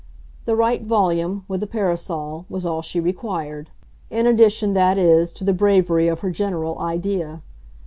The right volume, with a parasol, was all she required in addition, that is, to the bravery of her general idea.